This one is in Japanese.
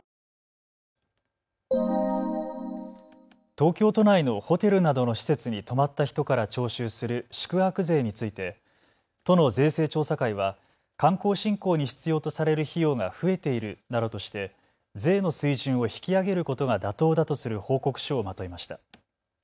東京都内のホテルなどの施設に泊まった人から徴収する宿泊税について、都の税制調査会は観光振興に必要とされる費用が増えているなどとして税の水準を引き上げることが妥当だとする報告書をまとめました。